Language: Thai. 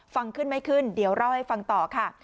ฟังขึ้นไม่ขึ้นเดี๋ยวเล่าให้ฟังต่อค่ะ